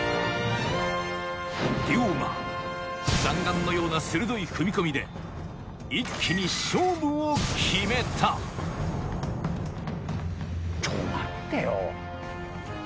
龍馬弾丸のような鋭い踏み込みで一気に勝負を決めたちょ待ってよ。